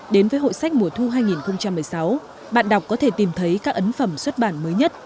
đến với hội sách mùa thu hai nghìn một mươi sáu bạn đọc có thể tìm thấy các ấn phẩm xuất bản mới nhất